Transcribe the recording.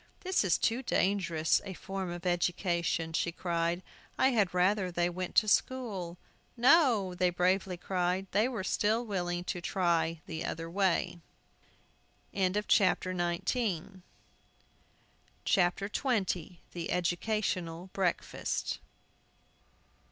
"This is too dangerous a form of education," she cried; "I had rather they went to school." "No!" they bravely cried. They were still willing to try the other way. THE EDUCATIONAL BREAKFAST.